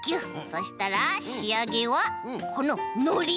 そしたらしあげはこののり。